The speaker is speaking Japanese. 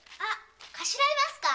頭いますか？